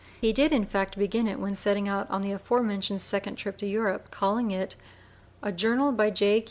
He did in fact begin it when setting out on the aforementioned second trip to Europe, calling it A JOURNAL BY J.